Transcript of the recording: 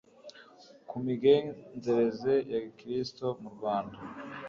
ku migenzereze ya gikirisitu mu rwanda